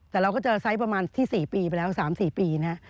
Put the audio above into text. แต่เราก็เจอไซส์ประมาณที่๔ปีไปแล้ว๓๔ปีนะฮะ